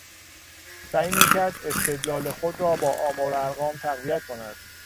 سعی میکرد استدلال خود را با آمار و ارقام تقویت کند.